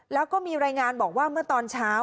แล้วก็มีรายงานบอกว่าเมื่อตอนเช้า